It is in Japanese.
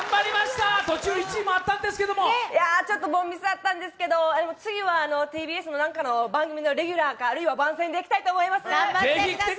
途中１位もあったんですけどちょっと凡ミスがあったんですけど次はＴＢＳのなんかの番組のレギュラーかあるいは番宣で来たいと思います。